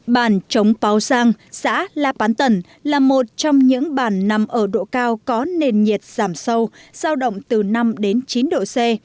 bàn trống báo sang xã la bán tần là một trong những bàn nằm ở độ cao có nền nhiệt giảm sâu sao động từ năm chín độ c